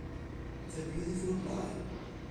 The Beautiful Lie